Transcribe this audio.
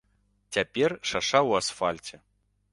Цяпер шаша ў асфальце.